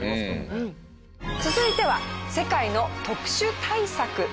続いては世界の特殊対策です。